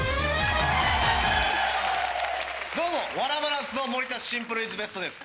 どうもワラバランスの盛田シンプルイズベストです。